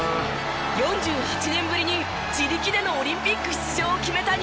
４８年ぶりに自力でのオリンピック出場を決めた日本！